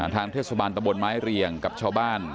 ทางเทศบาลตะบนไม้เรียงกับชาวบ้าน